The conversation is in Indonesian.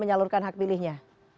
menyalurkan hak pilihnya